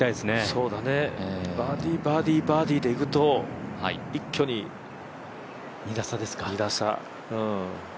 そうだね、バーディー、バーディー、バーディーでいくと一挙に２打差。